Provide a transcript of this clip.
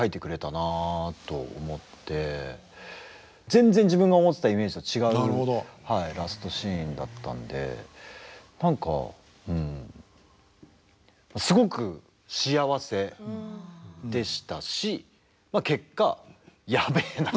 全然自分が思ってたイメージとは違うラストシーンだったんで何かうんすごく幸せでしたし結果やべえな。